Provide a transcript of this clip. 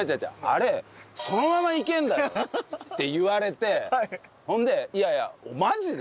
あれそのまま行けるんだよ」って言われてそれで「いやいやマジで？」